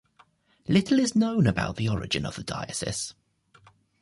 Little is known about the origin of the diocese.